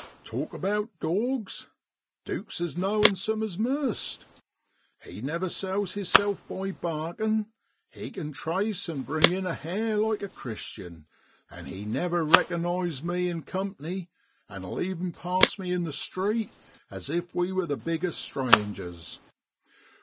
' Talk about dawgs Duke's as knowingsome as most. He never sells hisself by barkin', he kin trace an' bring in a hare like a Christian; and he never recker nise me in comp'ny, an'll even pass me in the street as if we was the biggest strangers.